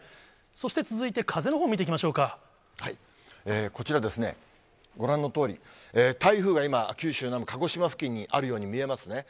そして続いて、こちらですね、ご覧のとおり、台風が今、九州南部、鹿児島付近におあるように見えますね。